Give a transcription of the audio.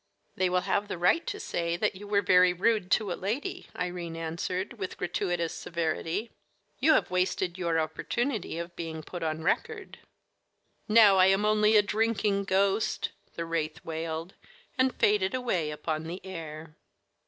"They will have the right to say that you were rude to a lady," Irene answered, with gratuitous severity. "You have wasted your opportunity of being put on record." "Now I am only a drinking ghost!" the wraith wailed, and faded away upon the air.